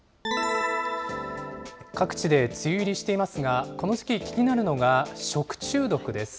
各地で梅雨入りしていますが、この時期、気になるのが食中毒です。